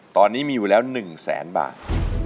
ตอนนี้มีอยู่แล้ว๑แสนบาท